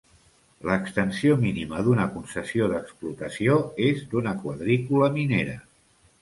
L'extensió mínima d'una concessió d'explotació és d'una quadrícula minera.